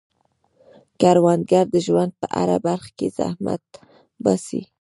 کروندګر د ژوند په هره برخه کې زحمت باسي